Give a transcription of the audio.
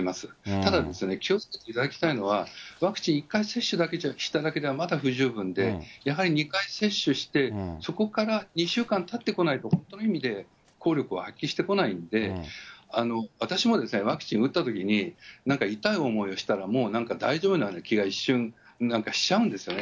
ただですね、気をつけていただきたいのは、ワクチン１回接種しただけではまだ不十分で、やはり２回接種して、そこから２週間たってこないと、本当の意味で効力を発揮してこないんで、私もワクチン打ったときに、なんか痛い思いをしたら、なんか大丈夫なような気が一瞬しちゃうんですよね。